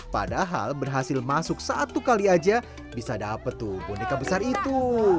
padahal berhasil masuk satu kali aja bisa dapet tuh boneka besar itu